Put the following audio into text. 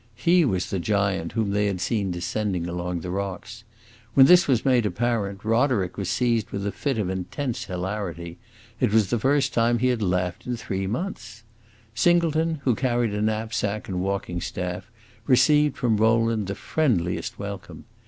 He was the giant whom they had seen descending along the rocks. When this was made apparent Roderick was seized with a fit of intense hilarity it was the first time he had laughed in three months. Singleton, who carried a knapsack and walking staff, received from Rowland the friendliest welcome.